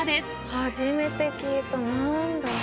初めて聞いた何だ？